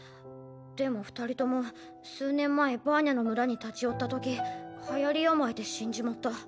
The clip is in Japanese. でも二人とも数年前バーニャの村に立ち寄ったときはやり病で死んじまった。